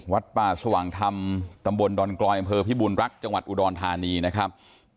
วัดป่าสว่างธรรมตำบลดอนกลอยอำเภอพิบูรณรักษ์จังหวัดอุดรธานีนะครับ